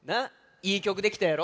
いいきょくできたやろ。